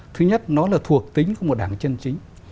thứ nhất nó là thuộc tính của một đảng chân chính